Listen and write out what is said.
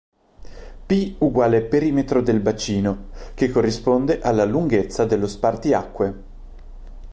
P= Perimetro del bacino, che corrisponde alla lunghezza dello spartiacque.